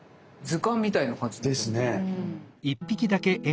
図鑑みたいな感じ。ですね。